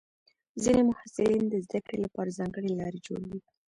ځینې محصلین د زده کړې لپاره ځانګړې لارې جوړوي.